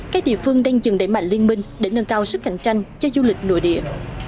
các địa phương đang dừng đẩy mạnh liên minh để nâng cao sức cạnh tranh cho du lịch nội địa